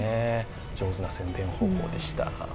上手な宣伝方法でした。